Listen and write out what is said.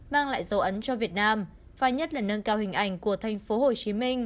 mang lại dấu ấn cho việt nam và nhất là nâng cao hình ảnh của tp hcm